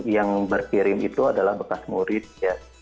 yang berkirim itu adalah bekas murid ya